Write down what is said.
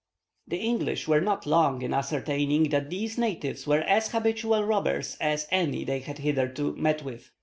The English were not long in ascertaining that these natives were as habitual robbers as any they had hitherto met with.